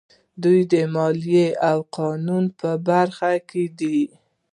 دوی د مالیې او قانون په برخه کې دي.